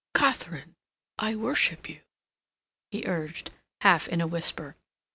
"Katharine, I worship you," he urged, half in a whisper.